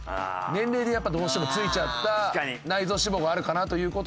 年齢でどうしてもついちゃった内臓脂肪があるかなという事で。